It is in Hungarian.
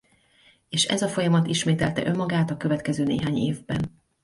És ez a folyamat ismételte önmagát a következő néhány évben.